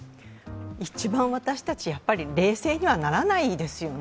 一番、私たち、冷静にはならないですよね。